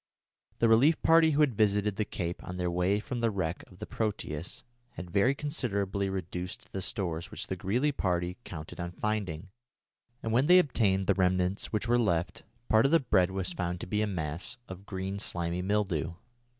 The relief party who had visited the cape on their way from the wreck of the Proteus had very considerably reduced the stores which the Greely party counted on finding, and when they obtained the remnants which were left, part of the bread was found to be a mass of green slimy mildew.